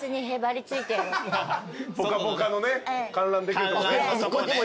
『ぽかぽか』のね観覧できるとこね。